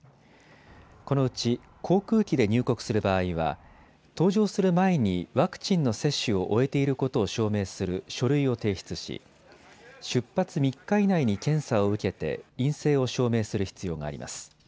このうち航空機で入国する場合は搭乗する前にワクチンの接種を終えていることを証明する書類を提出し、出発３日以内に検査を受けて陰性を証明する必要があります。